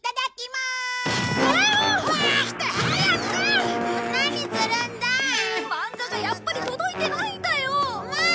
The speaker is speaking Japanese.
マンガがやっぱり届いてないんだよ。もうっ！